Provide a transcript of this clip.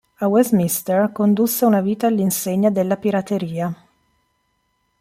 A Westminster condusse una vita all’insegna della pirateria.